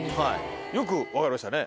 よく分かりましたね。